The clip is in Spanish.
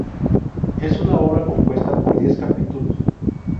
Es una obra compuesta por diez capítulos.